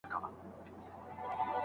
پر وخت تشناب ته ولاړ شه